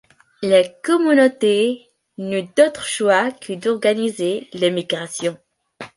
La communauté n’eut d’autre choix que d’organiser l’émigration.